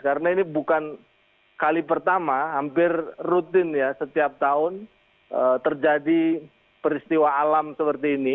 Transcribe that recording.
karena ini bukan kali pertama hampir rutin ya setiap tahun terjadi peristiwa alam seperti ini